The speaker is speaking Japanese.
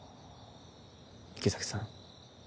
池崎さん？